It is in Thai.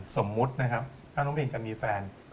สมมุตินะครับถ้าน้องอินจะมีแฟน